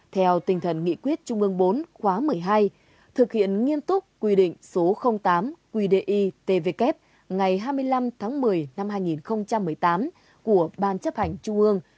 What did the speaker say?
theo tinh thần nghị quyết trung ương bốn khóa một mươi hai thực hiện nghiêm túc quy định số tám qdi tvk ngày hai mươi năm tháng một mươi năm hai nghìn một mươi tám của ban chấp hành trung ương